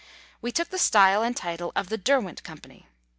We took the style and title of the "Derwent Company."